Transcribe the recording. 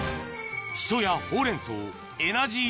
シソやほうれん草エナジー